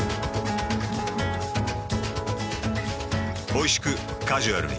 おいしくカジュアルに。